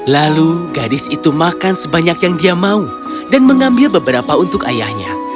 lalu gadis itu makan sebanyak yang dia mau dan mengambil beberapa untuk ayahnya